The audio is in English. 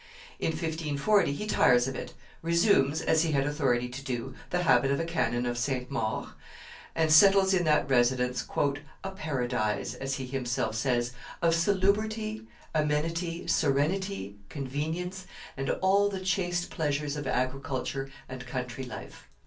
In 1540 he tires of it, resumes, as he had authority to do, the habit of a canon of St. Maur, and settles in that residence, "a paradise," as he himself says, "of salubrity, amenity, serenity, convenience, and all the chaste pleasures of agriculture and country life."